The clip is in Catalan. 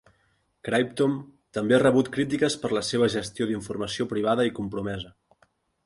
Cryptome també ha rebut crítiques per la seva gestió d'informació privada i compromesa.